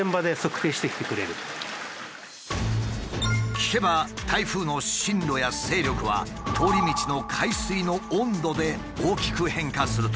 聞けば台風の進路や勢力は通り道の海水の温度で大きく変化するという。